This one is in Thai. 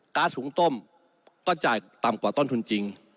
สูงต้มก็จ่ายต่ำกว่าต้นทุนจริง